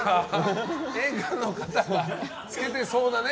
演歌の方がつけてそうなね。